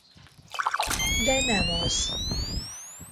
De nem az.